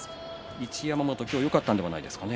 一山本、今日よかったのではないですかね。